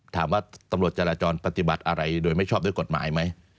ตำรวจจราจรปฏิบัติอะไรโดยไม่ชอบด้วยกฎหมายไหม